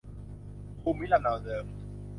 ภูมิลำเนาเดิม